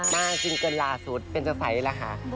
มาซิงเกินลาสุทธิ์เป็นสไฟล่ะค่ะ